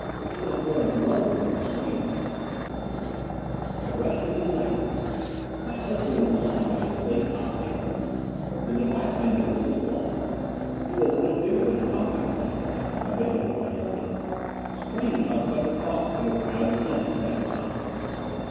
It was more a groan than a scream. "I rushed into the laboratory. My husband was lying by his slate topped table. The device, I noticed, was gone. It was no bigger than a coffee mill, I thought, as I bent over my husband. Strange how such a thought could have crowded in at such a time.